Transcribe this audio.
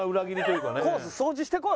コース掃除してこい！